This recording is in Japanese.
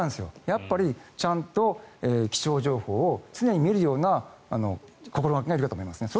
やっぱり、ちゃんと気象情報を常に見るような心掛けが必要だと思います。